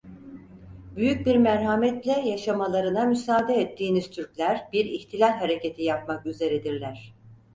Büyük bir merhametle yaşamalarına müsaade ettiğiniz Türkler bir ihtilal hareketi yapmak üzeredirler…